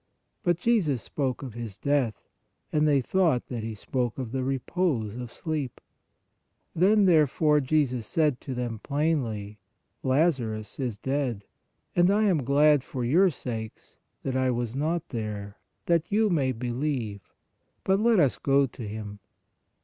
But Jesus spoke of his death, and they thought that He spoke of the repose of sleep. Then therefore Jesus said to them plainly: Lazarus is dead. And I am glad for your sakes, that I was not there, that you may believe: but let us go to him.